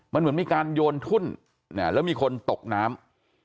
มันเหมือนมีการโยนทุ่นแล้วมีคนตกน้ำ